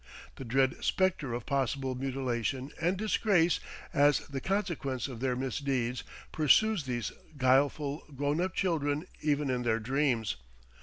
The dread spectre of possible mutilation and disgrace as the consequence of their misdeeds pursues these guileful, grown up children even in their dreams.